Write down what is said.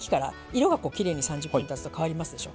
色が３０分たつと変わりますでしょ。